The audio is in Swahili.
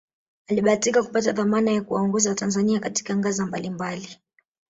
Alibahatika kupata dhamana ya kuwaongoza watanzania katika ngazi mbali mbali